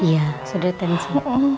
iya sudah ditensi